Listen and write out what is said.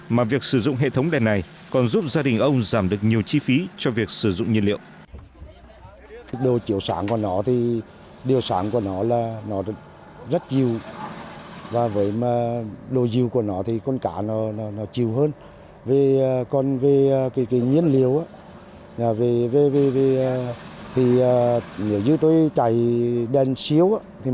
mà việc sử dụng hệ thống đèn này còn giúp gia đình ông giảm được nhiều chi phí cho việc sử dụng nhiên liệu